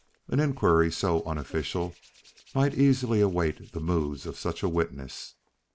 An inquiry so unofficial might easily await the moods of such a witness.